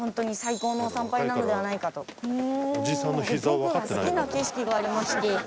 僕が好きな景色がありまして。